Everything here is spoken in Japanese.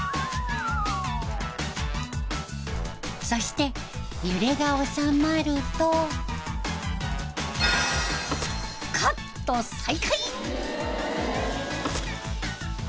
そして揺れが収まるとカット再開。